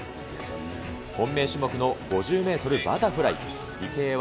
本命種目の５０メートルバタフライ。